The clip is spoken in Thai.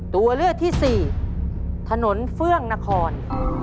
ตัวเลือกที่สี่ถนนเฟื่องนคร